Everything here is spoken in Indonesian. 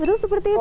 betul seperti itu